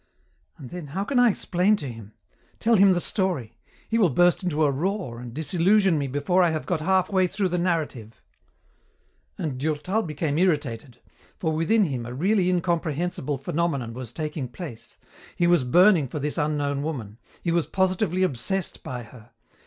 And then, how can I explain to him? Tell him the story? He will burst into a roar and disillusion me before I have got halfway through the narrative." And Durtal became irritated, for within him a really incomprehensible phenomenon was taking place. He was burning for this unknown woman. He was positively obsessed by her.